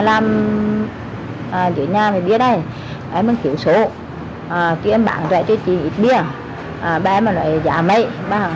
nam thanh niên này cho biết nếu chị thủy lấy bia với số lượng trên ba trăm linh thùng với giá rẻ hơn so với các đại lý khác